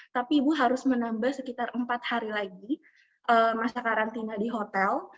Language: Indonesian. tapi ibu harus menambah sekitar empat hari lagi masa karantina di hotel